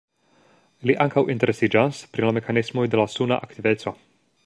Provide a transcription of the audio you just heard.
Li ankaŭ interesiĝas pri la mekanismoj de la suna aktiveco.